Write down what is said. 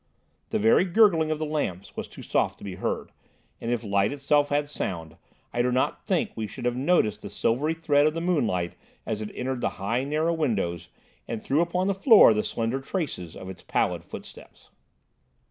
The very gurgling of the lamps was too soft to be heard, and if light itself had sound, I do not think we should have noticed the silvery tread of the moonlight as it entered the high narrow windows and threw upon the floor the slender traces of its pallid footsteps.